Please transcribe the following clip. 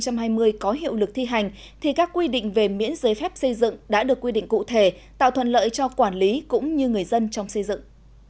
trong lúc thi hành các quy định về miễn giới phép xây dựng đã được quy định cụ thể tạo thuận lợi cho quản lý cũng như người dân trong xây dựng